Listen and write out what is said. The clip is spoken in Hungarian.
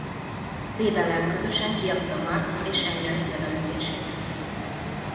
Bebellel közösen kiadta Marx és Engels levelezését.